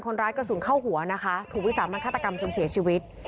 กระสุนเข้าหัวนะคะถูกวิสามันฆาตกรรมจนเสียชีวิต